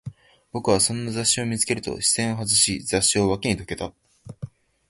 僕はそんな雑誌を見つけると、視線を外し、雑誌を脇にどけた